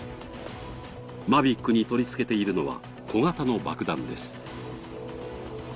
Ｍａｖｉｃに取り付けているのは小型の爆弾です。